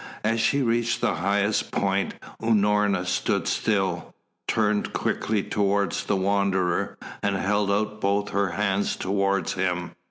As she reached the highest point Unorna stood still, turned quickly towards the Wanderer and held out both her hands towards him.